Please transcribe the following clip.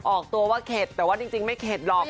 ออกตัวว่าเข็ดแต่ว่าจริงไม่เข็ดหรอก